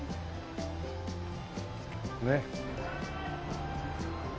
ねっ。